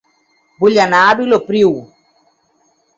Vull anar a Vilopriu